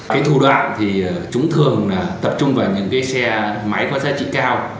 cái thủ đoạn thì chúng thường là tập trung vào những cái xe máy có giá trị cao